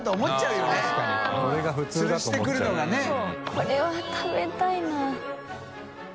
これは食べたいな。